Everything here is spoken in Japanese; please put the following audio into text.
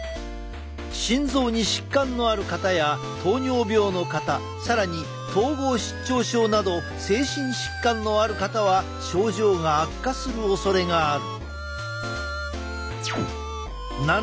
心臓に疾患のある方や糖尿病の方更に統合失調症など精神疾患のある方は症状が悪化するおそれがある。